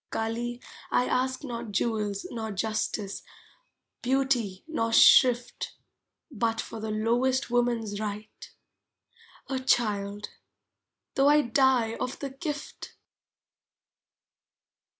Kali, I ask not jewels Nor justice, beauty nor shrift, But for the lowest woman's right, A child tho I die of the gift!